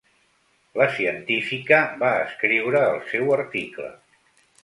La científica va escriure el seu article.